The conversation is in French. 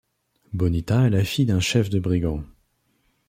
Bonita est la fille d'un chef de brigands.